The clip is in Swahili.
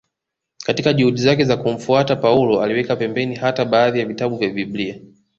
Katika juhudi zake za kumfuata Paulo aliweka pembeni hata baadhi ya vitabu vya Biblia